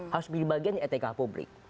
harus menjadi bagian dari etika publik